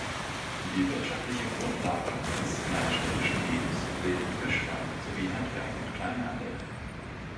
Die wirtschaftliche Grundlage des kleinstädtischen Lebens bilden Fischfang sowie Handwerk und Kleinhandel.